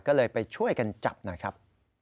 ก็เลยไปช่วยกันจับหน่อยครับ